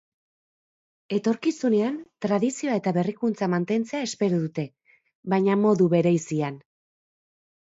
Etorkizunean, tradizioa eta berrikuntza mantentzea espero dute, baina modu bereizian.